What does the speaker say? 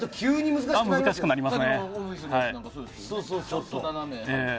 難しくなりますね。